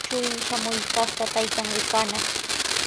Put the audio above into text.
Churin shamuykaqta taytan rikanaq.